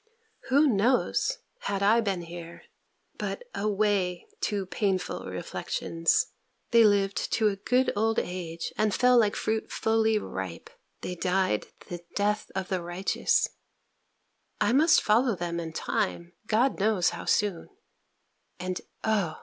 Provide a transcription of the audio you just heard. Who knows, had I been here But away, too painful reflections They lived to a good old age, and fell like fruit fully ripe: they died the death of the righteous; I must follow them in time, God knows how soon; and, _Oh!